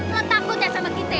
lo takut gak sama kita